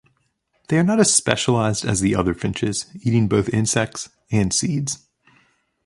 They are not as specialised as the other finches, eating both insects and seeds.